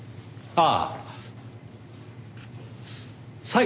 ああ。